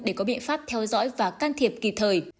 để có biện pháp theo dõi và can thiệp kịp thời